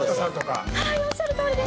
おっしゃるとおりです